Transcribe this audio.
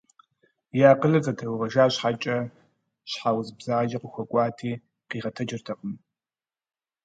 И акъылыр зэтеувэжа щхьэкӏэ, щхьэ уз бзаджэ къыхуэкӏуати къигъэтэджыртэкъым.